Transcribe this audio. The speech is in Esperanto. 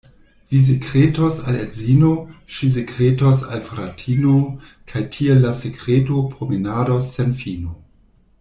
Vi sekretos al edzino, ŝi sekretos al fratino, kaj tiel la sekreto promenados sen fino.